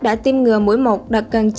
đã tiêm ngừa mũi một đạt gần chín mươi chín sáu